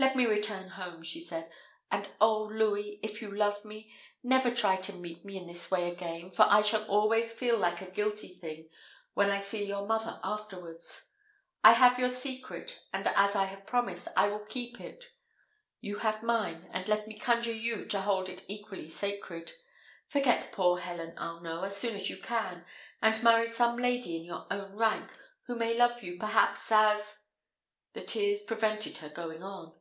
"Let me return home," she said; "and oh, Louis! if you love me, never try to meet me in this way again, for I shall always feel like a guilty thing when I see your mother afterwards. I have your secret, and as I have promised, I will keep it: you have mine, and let me conjure you to hold it equally sacred. Forget poor Helen Arnault as soon as you can, and marry some lady in your own rank, who may love you perhaps as " The tears prevented her going on.